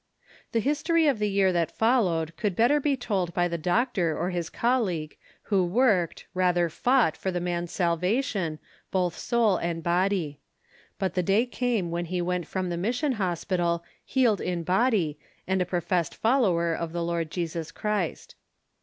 The history of the year that followed could better be told by the doctor or his colleague who worked, rather fought for the man's salvation, both soul and body. But the day came when he went from the Mission Hospital healed in body and a professed follower of the Lord Jesus Christ.